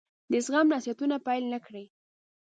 د زغم نصيحتونه پیل نه کړي.